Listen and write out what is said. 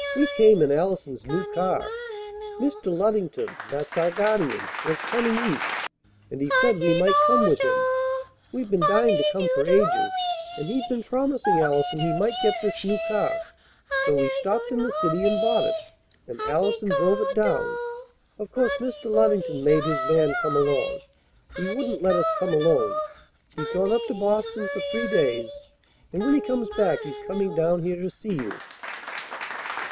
"We came in Allison's new car. Mr. Luddington that's our guardian was coming East, and he said we might come with him. We've been dying to come for ages. And he'd been promising Allison he might get this new car; so we stopped in the city and bought it, and Allison drove it down. Of course Mr. Luddington made his man come along. He wouldn't let us come alone. He's gone up to Boston for three days; and, when he comes back, he's coming down here to see you."